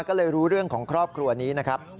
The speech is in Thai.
ก็เลยรู้เรื่องของครอบครัวนี้นะครับ